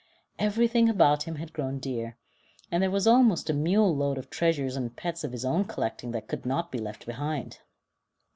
Everything about him had grown dear, and there was almost a mule load of treasures and pets of his own collecting that could not be left behind.